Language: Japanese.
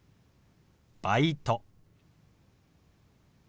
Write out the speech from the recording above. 「バイト」。